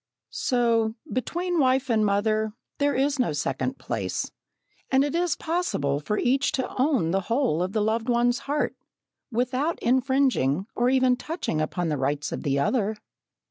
So, between wife and mother there is no second place, and it is possible for each to own the whole of the loved one's heart, without infringing or even touching upon the rights of the other.